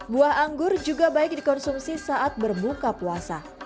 buah anggur juga baik dikonsumsi saat berbuka puasa